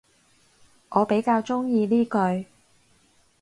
我比較鍾意呢句